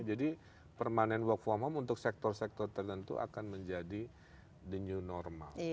jadi permanen work from home untuk sektor sektor terdentu akan menjadi the new normal